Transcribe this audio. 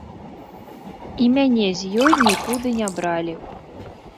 І мяне з ёй нікуды не бралі.